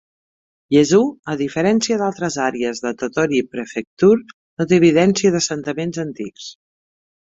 Hiezu, a diferència d'altres àrees de Tottori Prefecture, no té evidència d'assentaments antics.